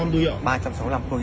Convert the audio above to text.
ba trăm sáu mươi năm tu hiệu